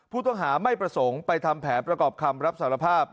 ผู้ต้องหาไม่ประสงค์ไปทำแผนประกอบคำรับสารภาพ